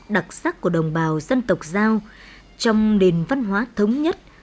đặc sắc của đồng bào dân tộc giao trong nền văn hóa thống nhất